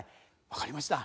わかりました。